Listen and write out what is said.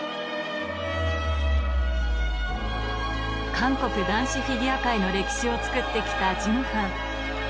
韓国男子フィギュア界の歴史をつくってきたジュンファン